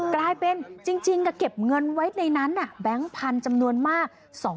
กลายเป็นจริงเก็บเงินไว้ในนั้นแบงค์พันธุ์จำนวนมาก